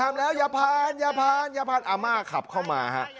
แล้วอย่าผ่านอย่าผ่านอย่าผ่านอาม่าขับเข้ามาฮะ